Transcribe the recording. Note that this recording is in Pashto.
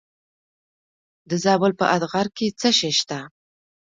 د زابل په اتغر کې څه شی شته؟